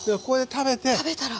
食べたら。